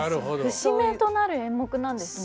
節目となる演目なんですね。